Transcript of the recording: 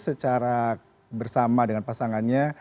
secara bersama dengan pasangannya